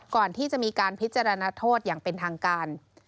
ก่อนที่จะมีการพิจารณาโทษอย่างเป็นทางการ